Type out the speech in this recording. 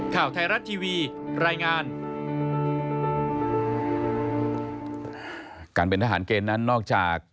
การเป็นทหารเกณฑ์นั้นนอกจาก